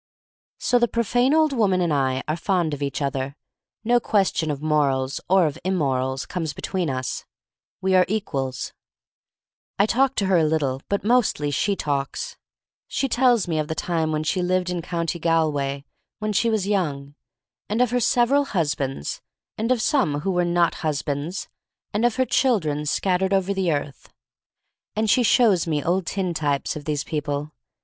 So the profane old woman and I are fond of each other. No question of morals, or of imm orals, comes between us. We are equals. I talk to her a little — but mostly she talks. She tells me of the time when she lived in County Galway, when she f r 148 THE STORY OF MARY MAC LANE was young — and of her several hus bands, and of some who were not hus bands, and of her children scattered over the earth. And she shows me old tin types of these people.